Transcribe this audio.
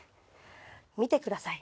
見てください